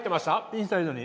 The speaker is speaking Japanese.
インサイドに。